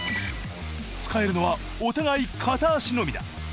使えるのはお互い片足のみだ。